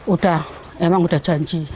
udah emang udah janji